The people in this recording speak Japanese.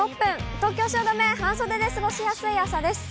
東京・汐留、半袖で過ごしやすい朝です。